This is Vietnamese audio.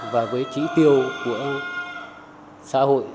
và với trí tiêu của xã hội